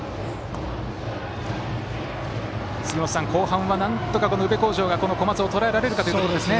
杉本さん、後半はなんとか宇部鴻城が小松をとらえられるかですね。